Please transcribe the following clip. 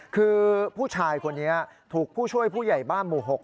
คือผู้ชายคนนี้ถูกผู้ช่วยผู้ใหญ่บ้านหมู่๖